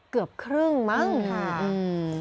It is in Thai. เกือบครึ่งมั้งค่ะอืมค่ะอืม